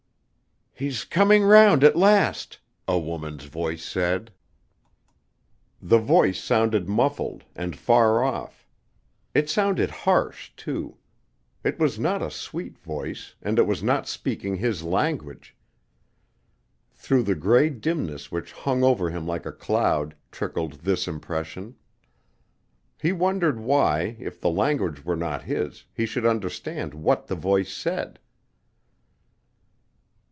"He's coming round at last!" a woman's voice said. The voice sounded muffled, and far off. It sounded harsh, too. It was not a sweet voice, and it was not speaking his language. Through the gray dimness which hung over him like a cloud, trickled this impression. He wondered why, if the language were not his, he should understand what the voice said.